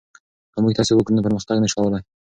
که موږ تعصب وکړو نو پرمختګ نه سو کولای.